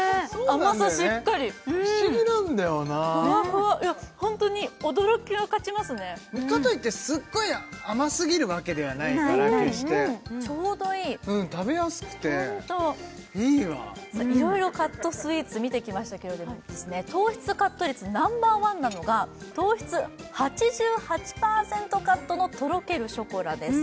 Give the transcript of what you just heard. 甘さしっかりフワフワホントに驚きが勝ちますねかといってすっごい甘すぎるわけではないから決してちょうどいいホントうん食べやすくていいわいろいろカットスイーツ見てきましたけれども糖質カット率ナンバーワンなのが糖質８８％カットのとろけるショコラです